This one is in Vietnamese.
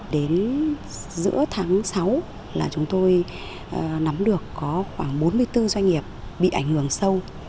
đến giữa tháng sáu là chúng tôi nắm được có khoảng bốn mươi bốn doanh nghiệp bị ảnh hưởng sâu